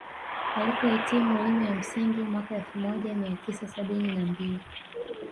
Alikohitimu elimu ya msingi mwaka elfu moja mia tisa sabini na mbili